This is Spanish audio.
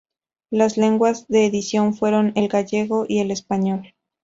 Sus lenguas de edición fueron el gallego y el español.